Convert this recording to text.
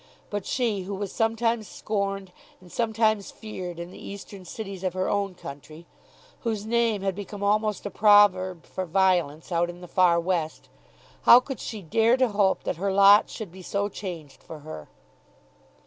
But she, who was sometimes scorned and sometimes feared in the eastern cities of her own country, whose name had become almost a proverb for violence out in the far West, how could she dare to hope that her lot should be so changed for her?